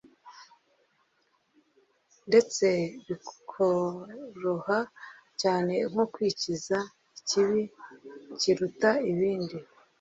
ndetse bikoroha cyane nko kwikiza ikibi kiruta ibindi